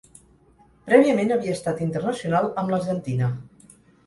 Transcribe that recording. Prèviament havia estat internacional amb l'Argentina.